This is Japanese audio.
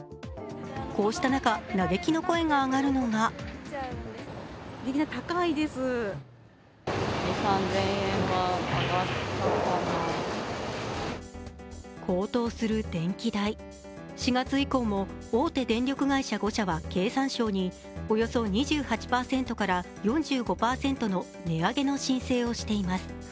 こうした中、嘆きの声が上がるのが高騰する電気代、４月以降も大手電力会社５社は経産省に、およそ２８％から４５％の値上げの申請をしています。